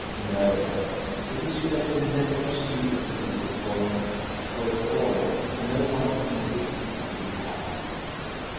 No, it is better never to see the beautiful point, for at Borg no one can live and be happy.